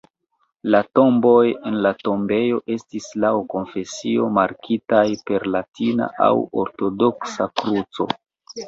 La tomboj en la tombejo estis laŭ konfesio markitaj per latina aŭ ortodoksa kruco.